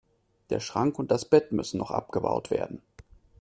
Der Schrank und das Bett müssen noch abgebaut werden.